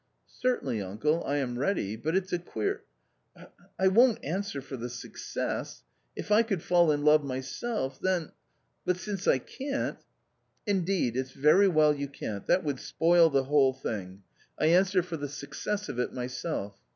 " Certainly, uncle, I am ready ; but it's a queer 1 won't answer for the success .... if I could fall in love myself .... then, but since I can't ...."" Indeed, it's very well you can't, that would spoil the whole thing. I answer for the success of it myself.